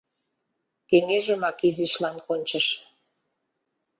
Кеҥежымак изишлан кончыш.